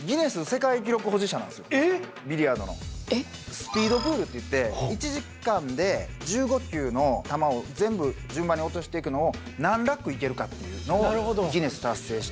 スピードプールっていって１時間で１５球の球を全部順番に落としていくのを何ラックいけるかっていうのをギネス達成して。